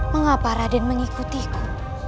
mengapa raden mengikutiku